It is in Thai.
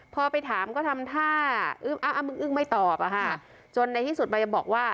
พอไปถามก็ทำท่าอึ้มอ้ำอึ้งไม่ตอบอะค่ะจนในที่สุดใบยังบอกว่า